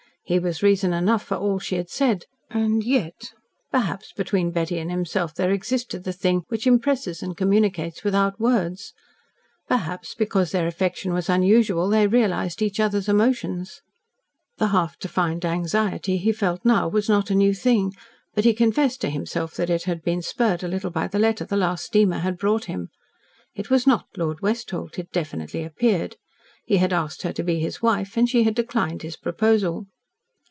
He was reason enough for all she had said. And yet ! Perhaps, between Betty and himself there existed the thing which impresses and communicates without words. Perhaps, because their affection was unusual, they realised each other's emotions. The half defined anxiety he felt now was not a new thing, but he confessed to himself that it had been spurred a little by the letter the last steamer had brought him. It was NOT Lord Westholt, it definitely appeared. He had asked her to be his wife, and she had declined his proposal.